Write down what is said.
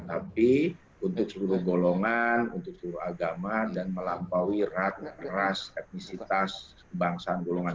tapi untuk seluruh golongan untuk seluruh agama dan melampaui ratu keras etnisitas kebangsaan golongan